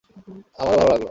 আমারও ভালো লাগলো।